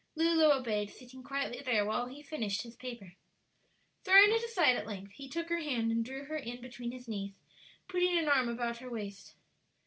Lulu obeyed, sitting quietly there while he finished his paper. Throwing it aside at length, he took her hand and drew her in between his knees, putting an arm about her waist.